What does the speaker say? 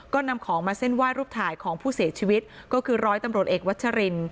ก็นำของมาเส้นไหว้รูปถ่ายของผู้เสียชีวิตก็คือร้อยตำรวจเอกวัชริน